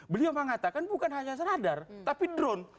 beliau mengatakan bukan hanya sadar tapi drone